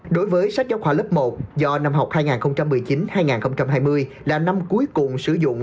đối với sách giáo khoa lớp một do năm học hai nghìn một mươi chín hai nghìn hai mươi là năm cuối cùng sử dụng